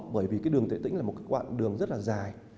bởi vì cái đường tuệ tĩnh là một cái quạng đường rất là dài